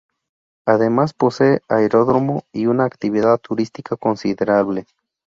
Además, posee aeródromo y una actividad turística considerable.